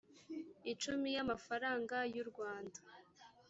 icumi y amafaranga y u rwanda